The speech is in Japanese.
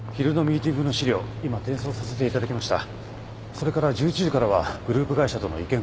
それから１１時からはグループ会社との意見交換会。